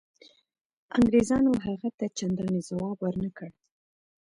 انګرېزانو هغه ته چنداني ځواب ورنه کړ.